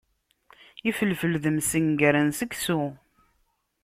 Ifelfel d msenger n seksu.